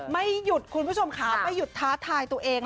ไม่หยุดคุณผู้ชมค่ะไม่หยุดท้าทายตัวเอง